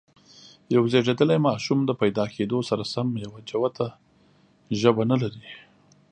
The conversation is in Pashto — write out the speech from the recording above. یو زېږيدلی ماشوم د پیدا کېدو سره سم یوه جوته ژبه نه لري.